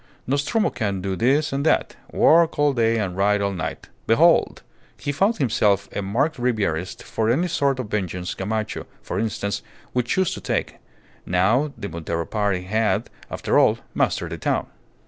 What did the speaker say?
Nostromo can do this and that work all day and ride all night behold! he found himself a marked Ribierist for any sort of vengeance Gamacho, for instance, would choose to take, now the Montero party, had, after all, mastered the town.